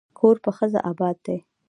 کور په ښځه اباد دی.